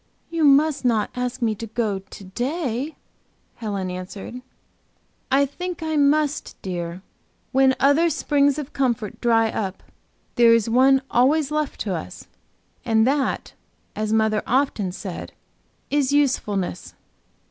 "You must not ask me to go to day," Helen answered. "I think I must, dear. When other springs of comfort dry up, there is one always left to us. And that; as mother often said, is usefulness."